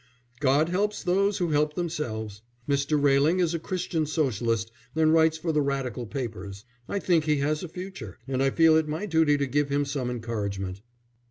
"God helps those who help themselves. Mr. Railing is a Christian Socialist and writes for the Radical papers. I think he has a future, and I feel it my duty to give him some encouragement."